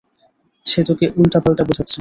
সে তোকে উল্টো পাল্টা বোঝাচ্ছে।